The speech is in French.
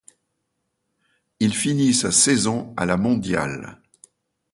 Il finit sa saison à la mondiale.